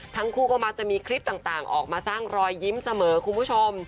ทั้งคู่ก็มักจะมีคลิปต่างออกมาสร้างรอยยิ้มเสมอคุณผู้ชม